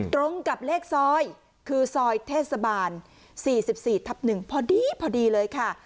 ตรงกับเลขซอยคือซอยเทศบาล๔๔ทับ๑พอดีพอดีเลยค่ะ